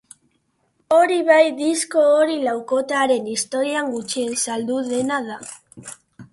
Hori bai, disko hori laukotearen historian gutxien saldu dena da.